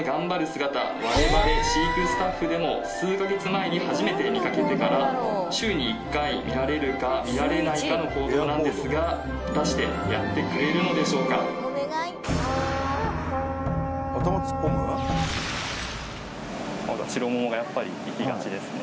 姿我々飼育スタッフでも数か月前に初めて見かけてから週に１回見られるか見られないかの行動なんですが果たしてやってくれるのでしょうか白桃がやっぱり行きがちですね